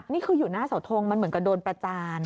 นี่คืออยู่หน้าเสาทงมันเหมือนกับโดนประจาน